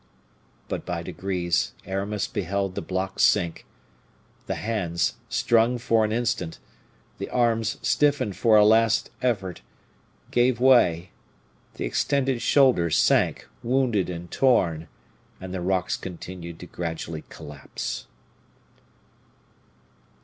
But by degrees Aramis beheld the block sink; the hands, strung for an instant, the arms stiffened for a last effort, gave way, the extended shoulders sank, wounded and torn, and the rocks continued to gradually collapse.